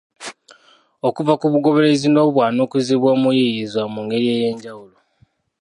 Okuva ku bugoberezi n’obwanukuzi bw’omuyiiyizwa mu ngeri ey’enjawulo.